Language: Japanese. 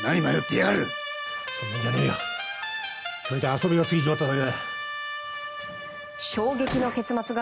遊びが過ぎちまっただけだ。